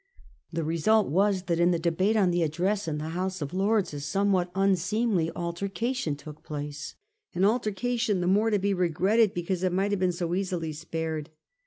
The result was that in the debate on the address in the House of Lords a somewhat unseemly altercation took place, an altercation the more to be regretted because it might have been so easily spared.